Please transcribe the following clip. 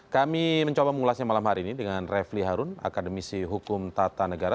kami mencoba mengulasnya malam hari ini dengan refli harun akademisi hukum tata negara